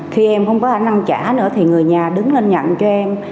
khi em không có khả năng trả nữa thì người nhà đứng lên nhận cho em